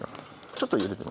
ちょっと入れて。